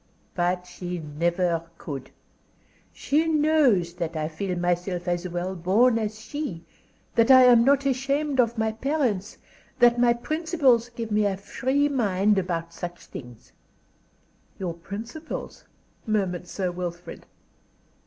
But she never could. She knows that I feel myself as well born as she, that I am not ashamed of my parents, that my principles give me a free mind about such things." "Your principles?" murmured Sir Wilfrid.